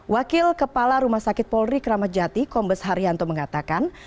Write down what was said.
wakil kepala rumah sakit polri kramat jati kombes haryanto mengatakan